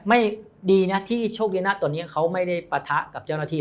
ไม่ดีนะที่โชคดีนะตอนนี้เขาไม่ได้ปะทะกับเจ้าหน้าที่